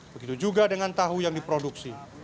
begitu juga dengan tahu yang diproduksi